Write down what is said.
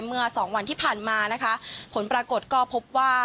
เมื่อสองวันที่ผ่านมานะคะผลปรากฏก็พบว่า